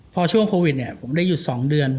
พอช่วงโควิดเนี่ยผมได้หยุด๒เดือน